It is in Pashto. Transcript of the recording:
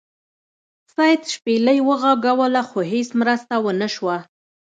سید شپیلۍ وغږوله خو هیڅ مرسته ونه شوه.